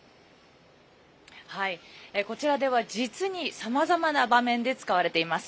こちらでは、実にさまざまな場面で使われています。